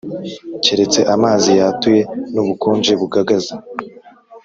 keretse amazi yatuye n’ubukonje bugagaza.